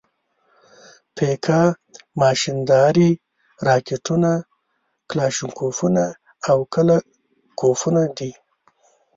پیکا ماشیندارې، راکېټونه، کلاشینکوفونه او کله کوفونه دي.